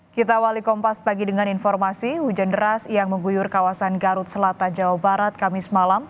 kita awali kompas pagi dengan informasi hujan deras yang mengguyur kawasan garut selatan jawa barat kamis malam